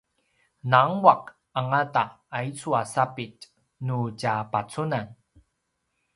nanguaq angata aicu a sapitj nu tja pacunen